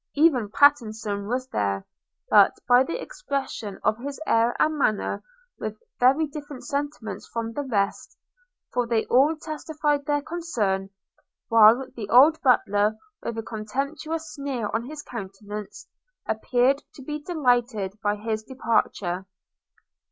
Even Pattenson was there; but, by the expression of his air and manner, with very different sentiments from the rest – for they all testified their concern; while the old butler, with a contemptuous sneer on his countenance, appeared to be delighted by his departure.